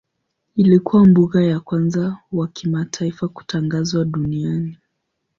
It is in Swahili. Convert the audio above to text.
Ilikuwa mbuga ya kwanza wa kitaifa kutangazwa duniani.